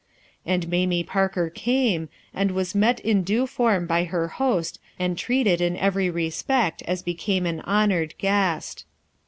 And Mamie Parker came; and was met in due form by her host and treated in every re spect as became an honored guest.